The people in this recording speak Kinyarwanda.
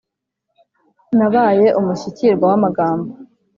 nabaye umushyikirwa w’amagambo